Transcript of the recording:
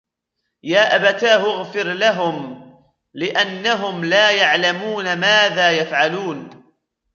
يَا أَبَتَاهُ اغْفِرْ لَهُمْ لأَنَّهُمْ لاَ يَعْلَمُونَ مَاذَا يَفْعَلُونَ